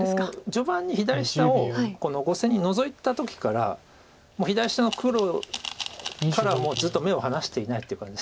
序盤に左下を５線にノゾいた時から左下の黒からもうずっと目を離していないという感じ。